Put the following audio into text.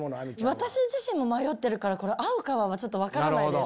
私自身も迷ってるからこれ合うかは分からないです。